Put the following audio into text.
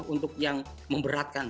untuk yang memberatkan